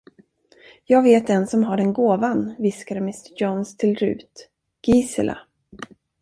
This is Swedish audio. Jag vet en, som har den gåvan, viskade mr Jones till Rut: Gisela.